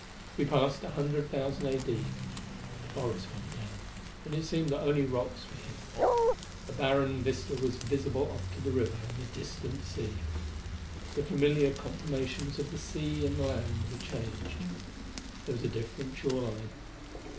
We passed 100,000 A.D. The forest went down, and it seemed that only rocks were here. A barren vista was visible off to the river and the distant sea. The familiar conformations of the sea and the land were changed. There was a different shore line.